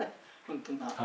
ほんとな。